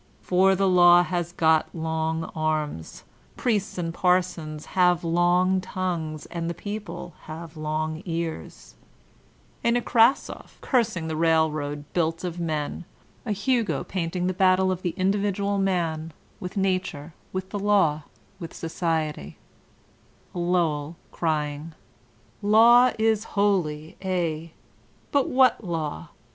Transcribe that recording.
Tor the Law has got long armi^ Priests and Parsons have long tongues And the People have long earsi" a Nekrassoff cursing the railroad built of men, a Hugo painting the battle of the individual man "with Nature, with the Law, with Society," a Lowell crying: Taw is holy ay. but what law?